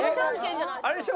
あれでしょ？